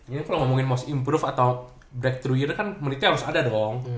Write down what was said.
jadi kalo ngomongin must improve atau breakthrough year kan menitnya harus ada dong